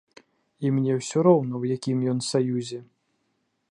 І мне ўсё роўна, у якім ён саюзе.